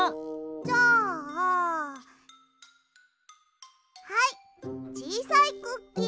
じゃあはいちいさいクッキー。